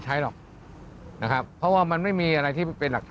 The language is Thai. ชายกลับที่เครื่องของคุณ